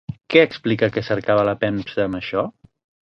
Què explica que cercava la premsa amb això?